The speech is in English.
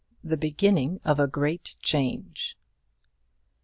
THE BEGINNING OF A GREAT CHANGE.